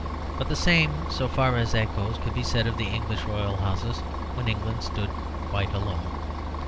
But the same, so far as that goes, could be said of the English royal houses when England stood quite alone.